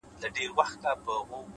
ښه نیت ښه پایله راوړي،